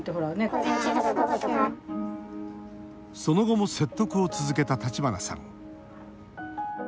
その後も説得を続けた橘さん。